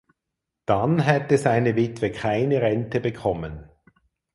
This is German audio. Dann hätte seine Witwe keine Rente bekommen.